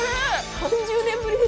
３０年ぶりです。